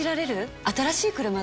新しい車だよ。